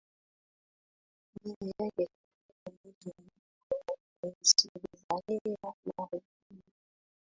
mbele yake katika mji mdogo wa Pennsylvania Marekani